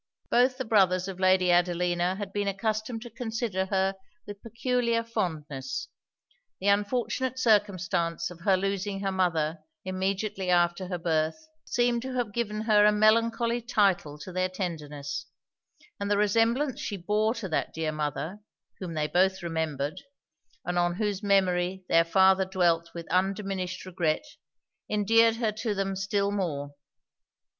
Both the brothers of Lady Adelina had been accustomed to consider her with peculiar fondness. The unfortunate circumstance of her losing her mother immediately after her birth, seemed to have given her a melancholy title to their tenderness; and the resemblance she bore to that dear mother, whom they both remembered, and on whose memory their father dwelt with undiminished regret, endeared her to them still more.